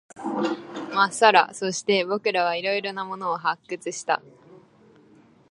まっさら。そして、僕らは色々なものを発掘した。